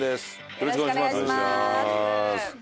よろしくお願いします。